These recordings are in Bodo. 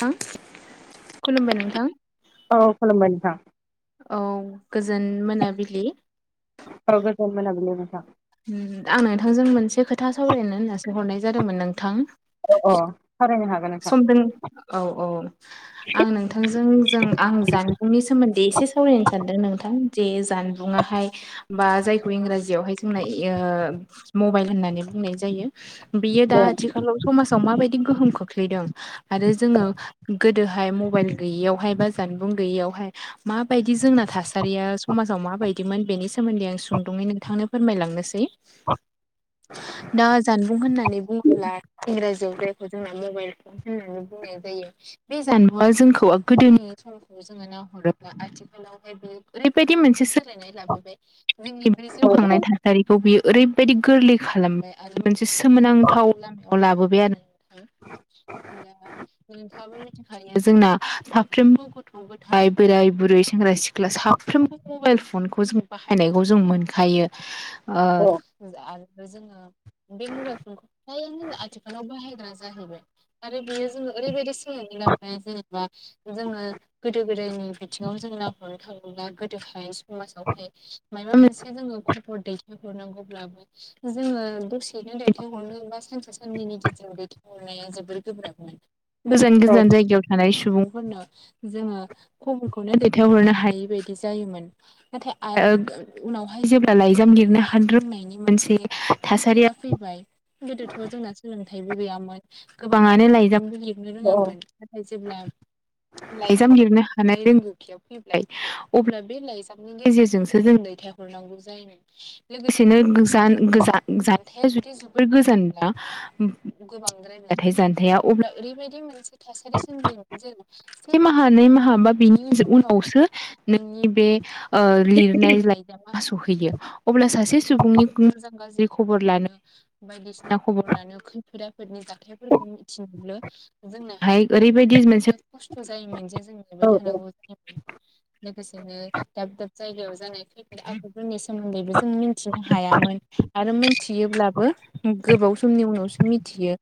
[unintelligible] खुलुमबाय नोंथां औ खुलुमबाय नोथां। औ गोजोन मोनाबिलि औ गोजोन मोनाबिलि नोंथां उम आं नोंथांजों मोनसे खोथा सावरायनो होननासो हरनाय जादोंमोन नोंथां अ अ सावरा सम दों औ औ आं नोंथांजों जों आं जानबुंनि सोमोन्दै एसे सावरायनो सानदों नोंथां जे जानबुङा हाय बा जायखौ इंराजियावहाय जोंना इयो ओ मबाइल होननानै बुंनाय जायो। बियो दा औ आथिखालाव समाजाव माबायदि गोहोम खो ख्लैदों? आरो जोङो गोदोहाय मबाइल गैयियावहाय बा जानबुं गैयियावहाय माबायदि जोंना था सारिया समाजाव माबायदिमोन बेनि सोमोन्दै आं सुंदुङै नोंथांनो फोरमायलांनोसै। दा जानबुं होननानै बुङोब्ला इंराजियाव जायखौ जोंना मबाइल फन होननानै बुंनाय जायो बे जानबुंआ जोंखौ गोदोनि समखौ जों जेब्ला नाहरोब्ला आथिखालाव ओरैबायदि मोनसे सौलायनाय लाबोबाय, जोंनि बे औ जिउ खांनाय थासारिखौ बियो ओरैबायदि गोरलै खालामबाय आरो मोनसे सोमोनांथाव लामाखौ लाबोबाय आरो। नोंहाबो मिथिखायो जोंना साफ्रोमबो गथ'-गथाय, बोराय-बुरै, सेंग्रा-सिख्ला साफ्रोमबो मबाइल फनखौ जों बाहायनायखौ जों मोनखायो। ओ औ आरो जोङो बे मबाइल फनखौनो जोङो आथिखालाव बाहायग्रा जाहैबाय आरो बेयो जोंनो ओरैबादि सोलायनाय लाबोबाय जेरै बा ओ जोङो गोदो गोदायनि बिथिङाव जों नाहरनो थाङोब्ला गोदोहाय समासावहाय मायबा मोनसे जोङो दैथायहरनांगौब्लाबो जोङो दसेनो दैथायहरनो बा सानसे साननैनि गेजेराव दै थाय हरनाया जोबोद गोब्राबमोन। गोजान औ गोजान जायगायाव थानाय सुबुं फोरनो जोङो खबरखौनो दैथायहरनो हायि बायदि जायोमोन नाथाय ओ उनावहाय जेब्ला लाइजाम लिरनो हानो रोंनायनि मोनसे थासारिया फैबाय। गोदोथ' जोंना सोलों थायबो गैयामोन गोबाङानो लाइजामबो लिरनो औ रोङामोन नाथाय जेब्ला लाइजाम लिरनो हानाय रोंगौथिया फैबाय अब्ला बे लाइजामनि गेजेरजोंसो जों दैथायहरनांगौ जायोमोन। लोगोसेनो गोजान गोजा-जानथाया जुदि जोबोर गोजानबा गोबांद्रायब्लाथाय जानथाया अब्ला ओरैबायदि मोनसे थासारि सोमजियोमोन जेनेबा से माहा, नै माहा बा बिनि उनावसो नोंनि बे लिरनाय लायजामा सहै यो। अब्ला सासे सुबुंनि मोजां गाज्रि खबर लानो बायदिसिना खबर लानो खै फोद आफोदनि जाथायफोरखौ मिथिनोबो जोंनोहाय ओरैबायदि मोनसे खस्थ' जायोमोन जे जों नेबाय औ थानांगौ जायोमोन लोगोसेनो दाब दाब जायगायाव जानाय खैफोद-आफोद फोरनि सोमोन्दैबो जों मिन्थिनो हायामोन आरो मिन्थियोब्लाबो गोबाव समनि उनावसो मिथियो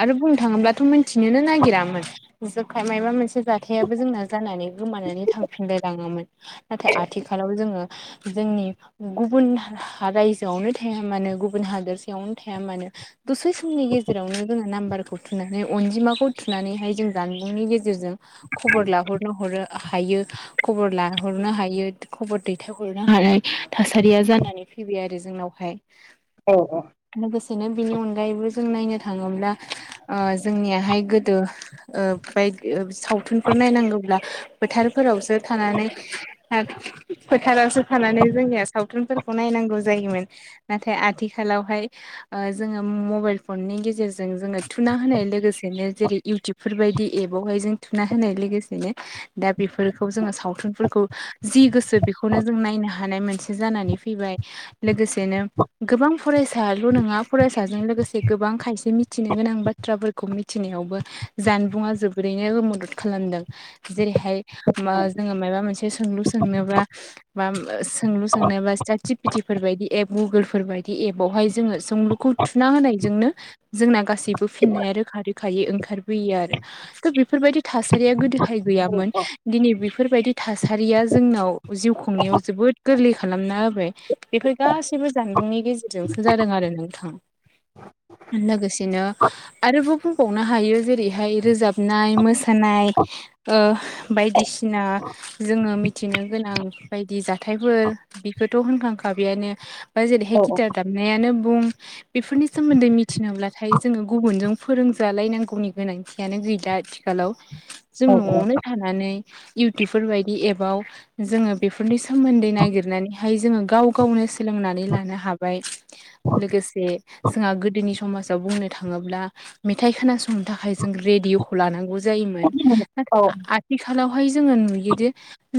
आरो बुंनो थाङोब्लाथ' मिन्थिनोनो नागिरामोन जोबखाय मायबा मोनसे जाथाया बो जोंना जानानै गोमानानै थांफिनलाय लाङोमोन। नाथाय आथिखालाव जोङो जोंनि गुबुन रायजोआवनो थाया मानो गुबुन हादोरसायावनो थाया मानो दसे सम नि गेजेरावनो जोङो नामबारखौ थुनानै अनजिमाखौ थुनानैहाय जोङो जानबुंनि गेजेरजों ख बर लाहरनो हरो-हायो, खबर लाहरनो हायो, खबर दैथायहरनो हायो। थासारिया जानानै फैबाय आरो जोंनावहाय। औ औ। बिदिनो बिनि अनगायैबो जों नायनो थाङोब्ला ओ जोंनियाहाय गोदो ओ। बायदि सावथुनफोर नायनांगौब्ला फोथारफोरावसो थानानै फोथा रावसो थानानै जोंनिया सावथुनफोरखौ नायनांगौ जायोमोन नाथाय आथिखालावहाय ओ जोङो मबाइल फननि नि गेजेरजों जोङो थुना होनाय लोगोसेनो जेरै इउटुबफोर बायदि एपावहाय जों थुना होनाय लोगोसे बेनो दा बेफोरखौ जोङो सावथुनफोरखौ जि गोसो बेखौनो जों नायनो हानाय मोनसे जानानै फैबाय लोगोसेनो गोबां फरायसाल' नङा फरायसाजों लोगोसे गोबां गोबां खायसे मिथिनो गोनां बाथ्राफोरखौ मिथिनायावबो जानबुंआ जोबोरैनो मदद खालामदों । जेरैहाय ओम‌ जोङो माबा मोनसे सोंलु सोंनोबा सोंलु सोंनोबा साट जिपिटिफोर बायदि एप गुगोलफोर बायदि एपवहाय जोङो सोंलुखौ थुना होनायजोंनो जोंना गासैबो फिननाया रोखा रोखायै ओंखारबोयो आरो थ' बेफोरबायदि थासारिया गोदो हाय‌ गैयामोन औ दिनै बेफोरबायदि थासारिया जोंनाव जिउ खुंनायाव जबोद गोरलै। खालामना होबाय बेफोर गासैबो जानबुंनि [inaudible] लोगोसेनो आरोबाव बुंबावनो हायो जेरैहाय ओ बायदिसिना बेखौथ' होनखां थिनोब्ला जों न'आवनो थानानै इउटुबफोर बायदि एपाव जोङो बेफोरनि सोमोन्दै नागिर नानै जोङो गाव गावनो सोलोंनानै लानो हाबाय लोगोसे जोंहा गोदो नि समाजाव बुंनो थाङोब्ला मेथाइ खोनासंनो थाखाय जों रेडिय'खौ लानांगौ जायोमोन । [unintelligible] आखालावहाय जोङो नुयोद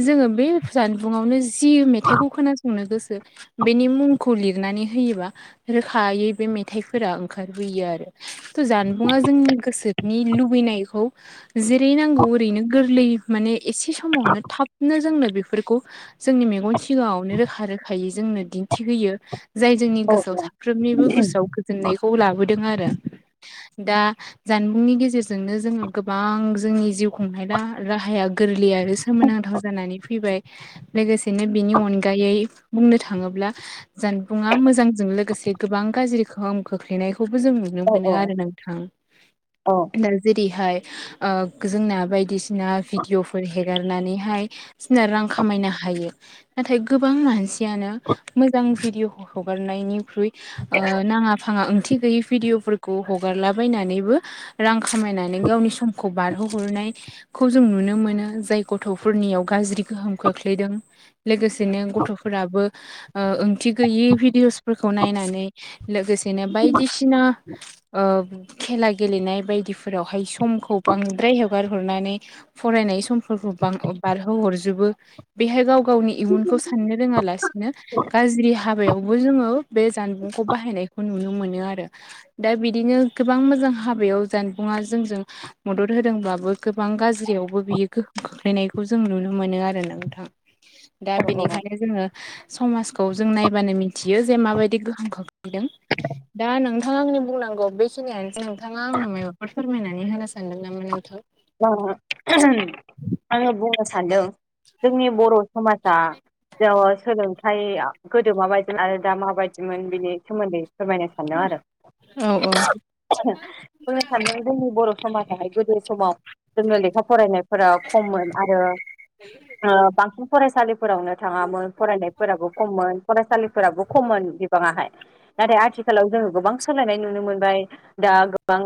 जोङो बे जानबुंआवनो जि मेथाइखौ खोनासंनो गोसो बेनि मुंखौ लिरनानै होयोबा रोखायै बे मेथाइफोरा ओंखारबोयो आरो जानबुंङा जोंनि गोसोनि लुबैनायखौ जेरै ओरैनो गोरलैयै एसे समावनो थाबनो जोंनो बेफोरखौ जोंनि मेगन सिगा सिगाङावनो रोखा रोखायै जोंनो दिन्थिहयो जाय जोंनि गोसो गोसोआव गोजोननायखौ लाबोदों आरो दा जानबुंनि गेजेरजोंनो जोङो गोरलै आरो सोमोनांथाव बेनि अनगायै खोख्लैनायखौबो जों नुनो औ दा जेरैहाय ओ जोंना बायदिसिना भिडिअ'फोर हेगारनानैहाय बायसिना रां खामायनो हायो नाथाय गोबां मानसियानो मोजां भिडिअ' हगारनायनिख्रुइ नाङा आंहा ओंथि गैयै भिडिअफोरखौ हगारलाबायनानैबो रां खामायनानै गावनि समखौ बारहो हरनायखौ जों नुनो मोनो जाय गथ'फोरनियाव गाज्रि गोहोम खोख्लैदों । लोगोसेनो गथ'फोराबो ओंथि गैयि भिडिअ'सफोरखौ नायनानै लोगोसे बिदिनो बायदिसिना खेला गेलेनाय बायदिफोरावहाय समखौ बांद्राय हगार हरनानै फरायनाय समफोरखौ बारहोहरजोबो बेहाय गाव गावनि इयुनखौ साननो रोङालासिनो गाज्रि हाबायावबो जोङो बे जानबुंखौ बाहायनायखौ नुनो मोनो आरो दा बिदिनो गोबां मोजां हाबायाव जानबुं जों मदद होदों गोबां गाज्रियावबो बियो गोहोम खोख्लैनायखौ जों नुनो मोनो आरो ना नोंथां दा औ बेनिखायनो जोङो समाजखौ जों नायबानो मिथियो जे माबायदि गोहोम खोख्लैदों दा नोंथाङा आंनि बुंनांगौ बेखिनियानोसै नोंथाङा आंनो माबाफोर फोरमायनानै होनो सानदों नामा नोंथां [unintelligible] [inaudible] आङो बुंनो सानदों जोंनि बर' समाजा सोलोंथायाइया गोदो माबायदिमोन आरो दा माबायदिमोन बिनि सोमोन्दै फोरमायनो सानदों आरो औ औ फोरमायनो सानदों जोंनि बर' समायहाय गोदोनि समाव जोंङोनो लेखा फरायनायफोर खममोन आरो बांसिन फरायसालि फोरावनो थाङामोन फरायनायफोराबो खममोन फरायसालि फोराबो खममोन बिबाङाहाय नाथाय आथिखालाव जोङो गोबां सोलायनाय नुनो मोनबाय दा गोबां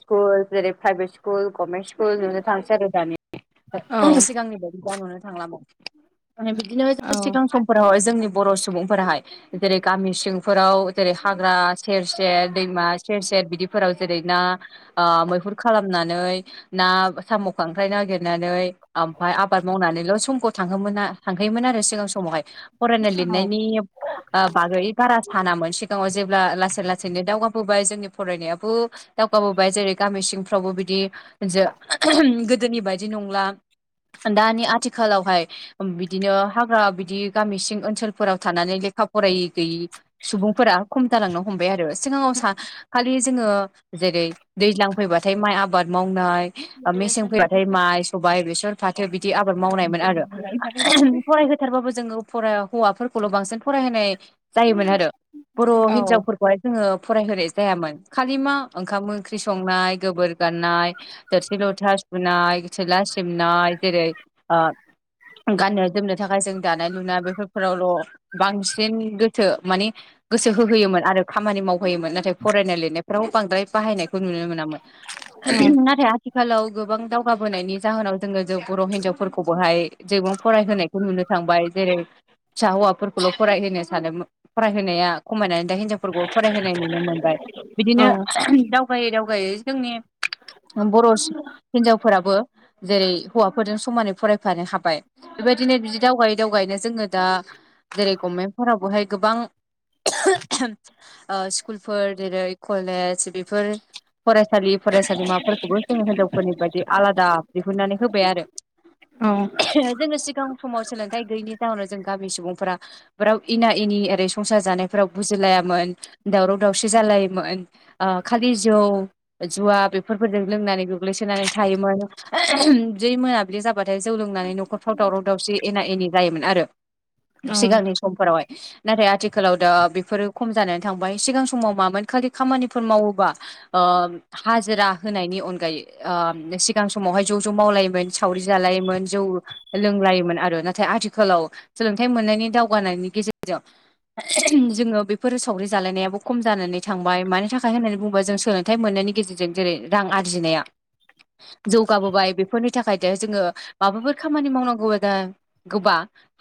स्कुल जेरै प्राइभेट स्कुल गभमेन्ट स्कुल नुनो थांसै आरो दानि औ सिगांनि बायदि नुनो थांला माने बिदिनो औ सिगां समफोरावाहाय जोंनि बर' सुबुंफोराहाय जेरै गामि सिंफोराव जेरै हाग्रा सेर सेर दैमा सेर सेर बिदि फोराव जेरै ना मैहुर खालामनानै ना साम' खां नागिरनानै ओमफ्राय आबाद मावनानैल' समखौ थांहोयोमोन आरो सिगां समावहाय फरायनाय औ औ लिरनायनि बागै बारा सिगाङाव जेब्ला लासै लासैनो दावगाबोबाय जोंनि फरायनायाबो दावगाबोबाय जेरै गामि सिंफ्रावबो बिदि जो गोदोनि बायदि नंला- दानि आथिखालावहाय बिदिनो हाग्रा बिदि गामि सिं ओनसोलफोराव थानानै लेख खा फरायै गैयि सुबुंफोरा खम जालांनो हमबाय आरो सिगाङाव स खालि जोङो जेरै दैज्लां फैबाथाय माइ आबाद मावनाय मेसें फैबा ओफ्राय माइ सबायाइ बेसर फाथो बिदि आबाद मावनायमोन आरो फरायहोथारबाबो जोङो फ हौवाफोरखौल' बांसिन फरायहोनाय जायोमोन आरो बर' हिनजावफोरखौहाय जोङो फरायहोनायसै जायामोन खालि मा ओंखाम ओंख्रि संनाय गोबोर गाननाय थोरसि लथा सु फुनाय सिला सिबिनाय जेरै ओ गाननो जोमनो थाखाय जों दानाय लुनाय बेफोरफोरावल' बांसिन गोथो माने गोसो होहोयोमोन आरो खामानि माव होयोमोन नाथाय फरायनाय लिरनायफ्राव बांद्राय बाहायनायखौ नुनो मोनामोन नाथाय आथिखालाव गोबां दावगाबोनायनि जाहोनाव जोङो बर' हिनजावफोरखौबोहाय जेबां फरायहोनायखौ नुनो थांबाय। जेरै फिसा हौवाफोरखौल' फरायहोनो सानोन फरायहोनाया खमायनानै दा हिनजावफोरखौ फरायहोनाय नुनो मोनबाय औ बिदिनो दावगायै दावगायै जोंनि बर' सुबुं जाबो जेरै हौवाफोरजों समानै फरायफानो हाबाय बेबायदिनो बिदि दावगायै दावगायैनो जोङो दा जेरै गभमेन्टफोराव बहाय गोबां ओ स्कुलफोर जेरै कलेज बेफोर फरायसालि फरायसालिमाफोरखौबो जोङो होनजाव फोरनि बायदि आलादा दिहुननानै होबाय आरो जों सिगां समाव सोलोंथाइ गैयिनि जाहोनाव जों गामि सुबुंफोरा बेराव इना एनि ओरै संसार जानायफोराव बुजिलायामोन दावराव दावसि जालायोन ओ खालि जौ जुवा बेफोरफोरजों लोंनानै गोग्लैसोनानै थायोमोन जै मोनाबिलि जाबाथाय जौ लोंनानै न'खरफ्राव दावराव दावसि एना एनि जायोमोन आरो सिगांनि समफोरावहाय नाथाय आथिखालाव दा बेफोरो खम जानानै थांबाय सिगां समाव मामोन खालि खामानिफोर मावोबा ओ हाजिरा होनायनि अनगायै ओ सिगां समावहाय ज' ज' मावलायोमोन सावरि जालायोमोन जौ लोंलायोमोन आरो नाथाय आथिखालाव सोलोंथाइ मोननायनि दावगानायनि गेजेरजों जोङो बेफोर सावरि जालायनायाबो खम जानानै थांबाय मानि थाखाय होननानै बुंङोबा जों सोलोंथाइ मोननाय नि गेजेरजों जेरै रां आरजिनाया [inaudible] जौगाबोबाय बेफोरनि थाखाय जोङो माबाफोर खामानि मावनांगौ दा गोबा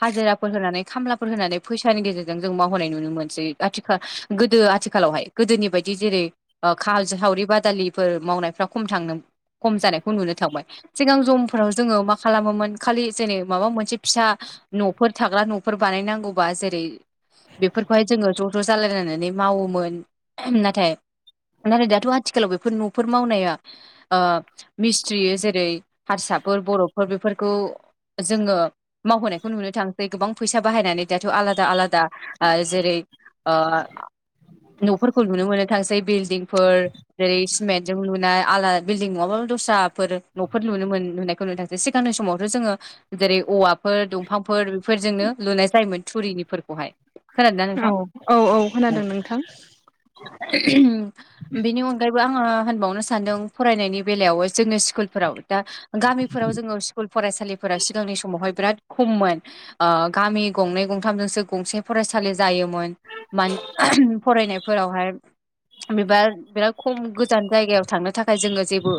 हाजिराफोर होनानै खामलाफोर होनानै फैसानि गेजेरजों जों मावहोननाय नुनो मोनसै आथिखाल गोदो आथिखाल खालावहाय गोदोनि बायदि जेरै खाल सावरि बादालिफोर मावनायफ्रा खम थांनो खम जानायखौ नुनो थांबाय सिगां जमफोराव जोङो मा खालामोमोन खालि जेनै माबा मोनसे फिसा न'फोर थाग्रा न'फोर बानायनांगौबा जेरै बेफोरखौहाय जोङो ज' ज' जालायलायनानै मावोमोन नाथाय नाथाय दाथ' आथिखालाव बेफोर न'फोर मावनाया ओ मिस्थ्रियो जेरै हारसाफोर बर'फोर बेफोरखौ जोङो मावहोनायखौ नुनो थांसै गोबां फैसा बाहायनानै दाथ' आलादा आलादा जेरै ओ न'फोरखौ नुनो मोननो थांसै बिल्डिंफोर जेरै सिमेन्टजों नुनाय आलादा बिल्डिं नङाब्लाो दस्राफोर न'फोर लुनो मोननायखौ नुनो थसै सिगांनि समावथ' जोङो जेरै औवा फोर दंफांफोर बेफोरजोंनो लुनाय जायोमोन थुरिनिफोरखौहाय। खोनादोंना औ नोंथां? औ औ खोनादों नोंथां। बेनि अनगायैबो आङो होनबावनो सानदों फरायनायनि बेलायाव जोङो स्कुलफोराव दा गामिफोराव जोङो स्कुल फरायसालिफोरााव सिगांनि समावहाय बिराद खममोन ओ गामि गंनै गथामजोंसो गंसे फरायसालि जायोमोन मान फरायनायफोरावहाय बेबा बिराद खम गोजान जायगायाव थांनो थाखाय थाखाय जोङो जेबो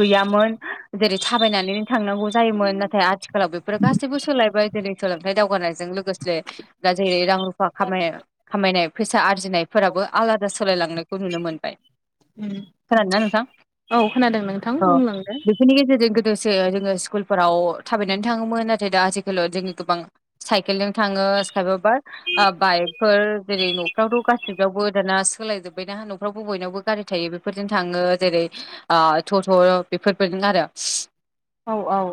गैयामोन जेरै थाबायनानैनो थांनांगौ जायोमोन नाथाय आथिखालाव बेफोर गासैबो सोलायबाय जेरै सोलोंथाइ दावगानायजों लोगोसे दा जेरै रां रुफा खाम खामायनाय फैसा आरजिनायफोराबो आलादा सोलायलांनायखौ नुनो मोनबाय खोनादोना नोंथां औ खोनादों नोंथां बुंलांदो लोगोसे जोङो स्कुलफोराव थाबायनानै थाङोमोन नाथाय दा आजिखालाव जोङो गोबां साइकेलजों थाङो ओ खायफा बाइकफोर जेरै न'फ्रावथ' गासिआवबो दाना सोलाय जोब्बायना ना आवबो बयनावबो गारि थायो बेफोरजों थाङो जेरै आ थ थ' बेफोरबादिनो आरो औ औ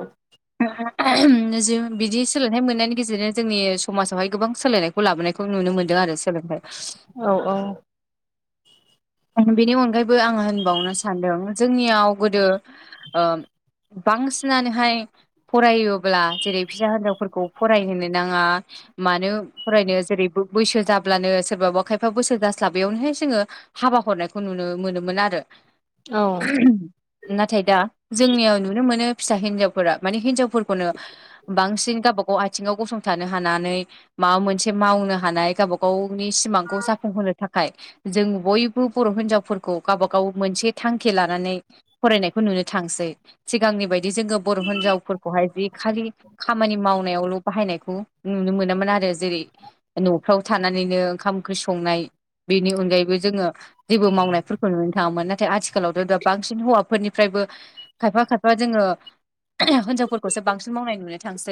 ओहम जों बिदि सोलोंथाइ मोननायनि गेजेरजों जोंनि समाजावहाय गोबां सोलायनायखौ लाबोनायखौ नुनो मोन्दों आरो सोलोंथाइ औ औ बेनि अनगायैबो आं होनबावनो सानदों जोंनियाव गोदो बांसिनानोहाय फरायोब्ला जेरै फिसा हिनजावफोरखौ फरायहोनो नाङा मानो फरायनो जेरैबो बैसो जाब्लानो सोरबाबा खायफा बोसोर जास्लाबैयावनोहाय जोङो हाबा हरनायखौ नुनो मोनोमोन आरो औ नाथाय दा जोंनियाव नुनो मोनो फिसा हिनजावफोरा माने हिनजावफोरखौनो बांसिन गावबागाव गाव गाव आथिंआव गसंथानो हानानै माबा मोनसे मावनो हानाय गावबा गावनि सिमांखौ जाफुंहोन थाखाय जों बयबो बर' हिनजावफोरखौ गावबा गाव मोनसे थांखि लानानै फरायनायखौ नुनो थांसै सिगां आंनि बायदि जोङो बर' हिनजावफोरखौहाय जि खालि खामानि मावनायावल' बाहायनायखौ नुनो मोना मोनामोन आरो जेरै न'फ्राव थानानैनो ओंखाम ओंख्रि संनाय बेनि अनगायैबो जोङो जेबो मावनायफोरखौ नुनो थाङामोन नाथाय आथिखालावथ' दा बांसिन हौवाफोरनिफ्रायबो खायफा खायफा जोङो हिनजावफोरखौसो बांसिन मावनाय नुनो थांसै।